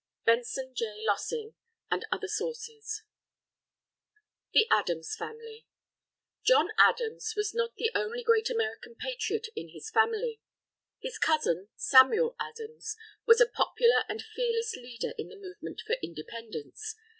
Benson J. Lossing and Other Sources THE ADAMS FAMILY John Adams was not the only great American Patriot in his Family. His cousin, Samuel Adams, was a popular and fearless leader in the movement for Independence.